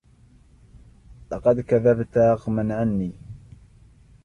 لقد كذبت رغما عني.